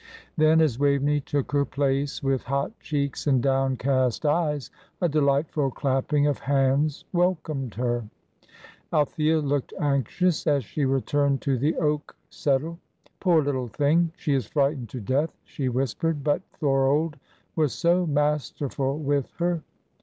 Then, as Waveney took her place, with hot cheeks and downcast eyes, a delightful clapping of hands welcomed her. Althea looked anxious as she returned to the oak settle. "Poor little thing, she is frightened to death," she whispered; "but Thorold was so masterful with her."